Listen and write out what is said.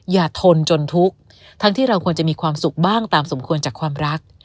ทนจนทุกข์ทั้งที่เราควรจะมีความสุขบ้างตามสมควรจากความรัก